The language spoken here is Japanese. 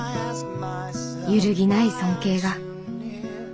揺るぎない尊敬が。